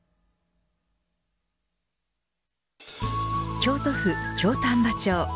京都府京丹波町。